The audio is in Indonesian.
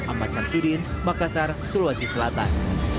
ahmad syamsudin makassar sulawesi selatan